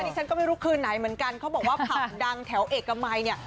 ฉันก็ไม่รู้คืนไหนเหมือนกันเขาบอกว่าผับดังแถวเอกมัยเนี่ย